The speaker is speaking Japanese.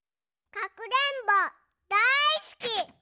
かくれんぼだいすき！